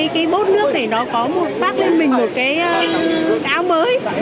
cái bốt nước này nó có một bát lên mình một cái áo mới